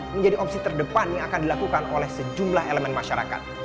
menjadi opsi terdepan yang akan dilakukan oleh sejumlah elemen masyarakat